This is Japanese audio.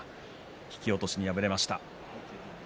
引き落としに敗れました。